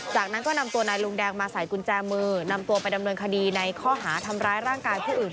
จากนั้นก็นำตัวนายลุงแดงมาใส่กุญแจมือนำตัวไปดำเนินคดีในข้อหาทำร้ายร่างกายผู้อื่น